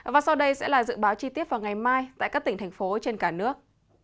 và sau đây sẽ là dự báo chi tiết vào ngày mai tại các tỉnh thành phố trên cả nước